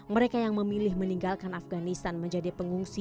mereka yang memilih meninggalkan afganistan menjadi pengungsi